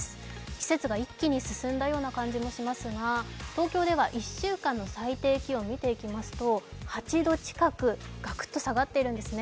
季節が一気に進んだような感じもしますが、東京では１週間の最低気温を見ていきますと８度近く、ガクっと下がっているんですね。